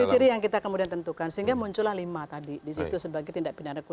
itu ciri yang kita kemudian tentukan sehingga muncullah lima tadi disitu sebagai tindak pidana khusus